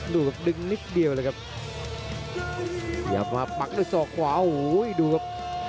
ดูครับดึงนิดเดียวเลยครับขยับมาปักด้วยศอกขวาโอ้โหดูครับ